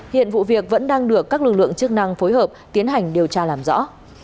hiện vụ việc vẫn đang được các lực lượng chức năng phối hợp tiến hành điều tra làm rõ